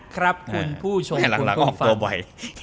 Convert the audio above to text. ครับคุณผู้ชมหลังออกตัวบ่อย